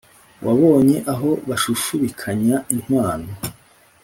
wabonye aho bashushubikanya inkwano’